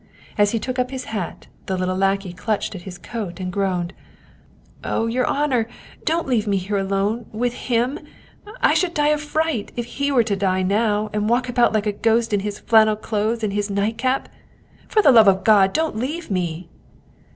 As he took up his hat, the little lackey clutched at his coat and groaned :" Oh, your honor, don't leave me alone with him ! I should die of fright if he were to die now and walk about like a ghost in his flannel clothes and his nightcap. For the love of God, don't leave me."